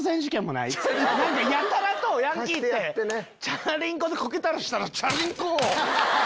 やたらとヤンキーってチャリンコでコケたりしたらチャリンコを。